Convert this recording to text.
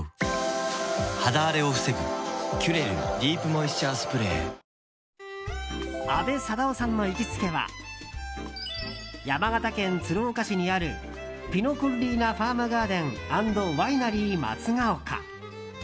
ワイナリー阿部サダヲさんの行きつけは山形県鶴岡市にあるピノ・コッリーナファームガーデン＆ワイナリー松ヶ岡。